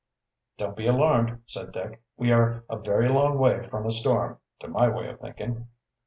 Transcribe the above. "Don't be alarmed," said Dick. "We are a very long way from a storm, to my way of thinking."